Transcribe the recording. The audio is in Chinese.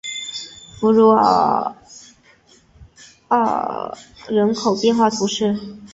弗鲁阿尔人口变化图示